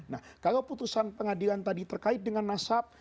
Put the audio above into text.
nah kalau putusan pengadilan tadi terkait dengan nasab